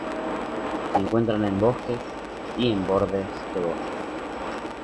Se encuentran en bosques, y en bordes de bosques.